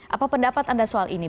apa pendapat anda soal ini